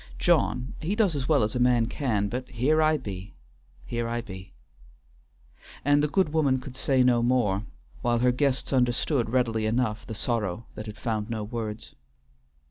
John, he does as well as a man can, but here I be, here I be," and the good woman could say no more, while her guests understood readily enough the sorrow that had found no words.